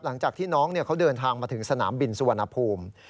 หลังจากที่น้องเขาเดินทางมาถึงสนามบินสุวรรณภูมิ